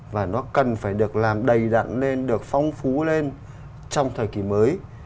và nó cần phải được làm đầy đặn lên được phong phú lên trong thời kỳ mới